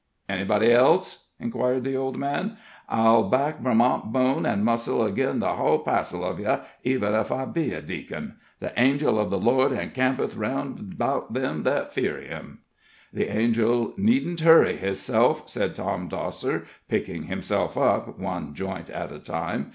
"Anybody else?" inquired the old man. "I'll back Vermont bone an' muscle agin' the hull passel of ye, even if I be a deacon.' The angel of the Lord encampeth round about them that fear him.'" "The angel needn't hurry hisself," said Tom Dosser, picking himself up, one joint at a time.